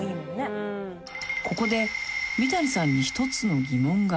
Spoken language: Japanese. ［ここで美谷さんに一つの疑問が］